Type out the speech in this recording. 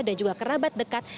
dan juga kerabat dekat